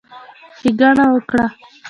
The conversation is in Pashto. ښېګڼه وکړه،